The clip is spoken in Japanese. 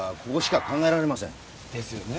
ですよね。